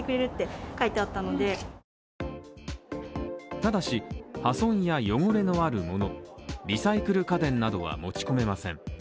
ただし、破損や汚れのある物リサイクル家電などは持ち込めません。